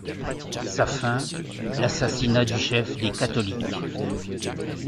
Sa fin, l'assassinat du chef des catholiques.